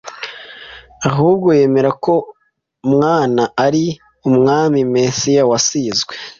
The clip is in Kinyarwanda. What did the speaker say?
ahubwo yemera ko Mwana ari "Umwami Mesiya wasizwe